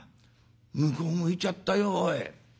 向こう向いちゃったよおい」。